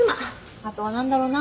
あとは何だろな。